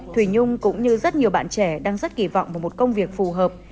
thùy nhung cũng như rất nhiều bạn trẻ đang rất kỳ vọng vào một công việc phù hợp